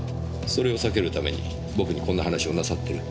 それを避けるために僕にこんな話をなさってる。